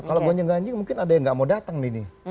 kalau gonjang ganjing mungkin ada yang gak mau datang nih